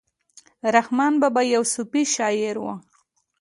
رحمان بابا يو صوفي شاعر وو.